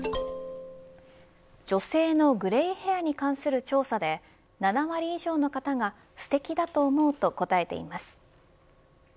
女性のグレイヘアに関する調査で７割以上の方が素敵だと思うと答えています。